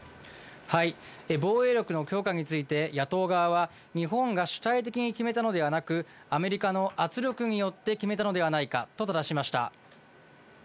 防衛力の強化について、野党側は、日本が主体的に決めたのではなく、アメリカの圧力によって決めたのではないかとただしました。